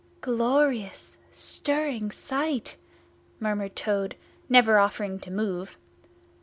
"Glorious, stirring sight!" murmured Toad, never offering to move.